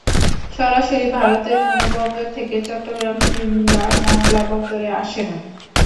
সরাসরি ভারতের কোনো বন্দর থেকে চট্টগ্রাম কিংবা মংলা বন্দরে আসে না।